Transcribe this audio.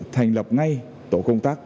thành lập ngay tổ công tác